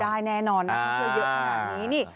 ได้แน่นอนนะเคยเยอะแบบนี้นี่